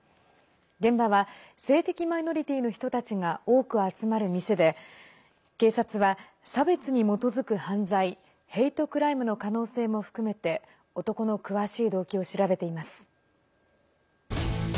現場は性的マイノリティーの人たちが多く集まる店で警察は差別に基づく犯罪ヘイトクライムの可能性も含めて男の詳しい動機を調べています。